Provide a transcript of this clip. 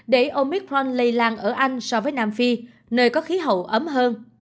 để omitront lây lan ở anh so với nam phi nơi có khí hậu ấm hơn